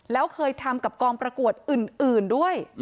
แล้วเคยทำกับกองประกวดอื่นด้วย